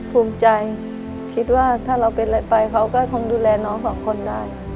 ภูมิใจคิดว่าถ้าเราเป็นอะไรไปเขาก็คงดูแลน้องสองคนได้